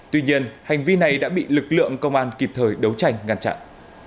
tuy nhiên hành vi này đã bị lực lượng công an kịp thời đấu tranh ngăn chặn